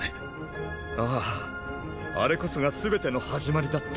あぁあれこそがすべての始まりだった。